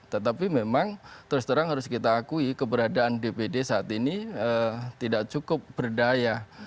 tetapi memang terus terang harus kita akui keberadaan dpd saat ini tidak cukup berdaya